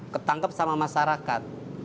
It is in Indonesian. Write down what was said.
ketangkap sama masyarakat